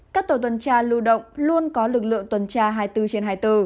các tổ tuần tra lưu động luôn có lực lượng tuần tra hai mươi bốn trên hai mươi bốn